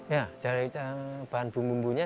ya dari bahan bumbunya